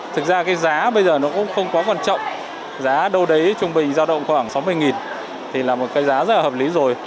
thực ra cái giá bây giờ nó cũng không quá quan trọng giá đâu đấy trung bình giao động khoảng sáu mươi thì là một cái giá rất là hợp lý rồi